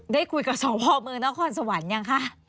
ได้คุยกับสองพ่อมือน้องข้อนสวรรค์ยังคะ